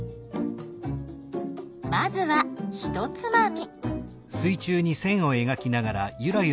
まずはひとつまみ。